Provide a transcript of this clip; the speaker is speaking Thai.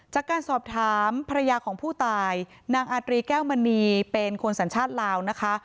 จากการสอบถามภรรยาของผู้ตายนางอาตรีแก้วมณีเป็นคนสัญชาติลาวนะคะ